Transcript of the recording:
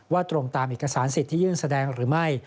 ตรงตามเอกสารสิทธิ์ที่ยื่นแสดงหรือไม่